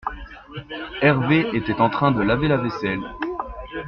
Herve était en train de laver la vaisselle.